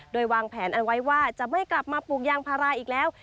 โดยวางแผนเอาไว้ว่าจะไม่กลับมาปลูกยางพาราอีกแล้ว